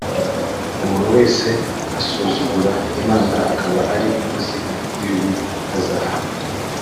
umuntu wese asuzugura Imana akaba ari inkozi y ibibi azahanwa